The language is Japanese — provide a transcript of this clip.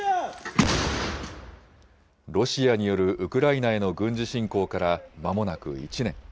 ロシアによるウクライナへの軍事侵攻から、まもなく１年。